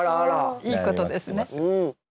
いいことですね。